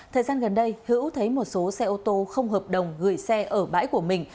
thời gian gần đây hữu thấy một số xe ô tô không hợp đồng gửi xe ở bãi của mình